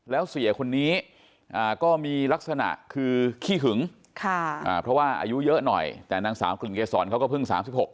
แล้วเสียคนนี้ก็มีลักษณะคือขี้หึงเพราะว่าอายุเยอะหน่อยแต่นางสาวกลิ่นเกษรเขาก็เพิ่ง๓๖